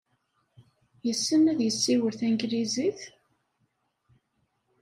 Yessen ad yessiwel tanglizit?